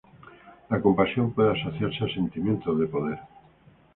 La compasión puede asociarse a sentimientos de poder.